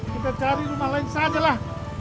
kita cari rumah lain sajalah